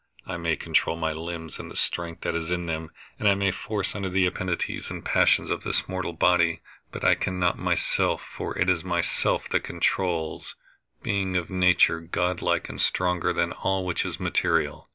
I may control my limbs and the strength that is in them, and I may force under the appetites and passions of this mortal body, but I cannot myself, for it is myself that controls, being of nature godlike and stronger than all which is material.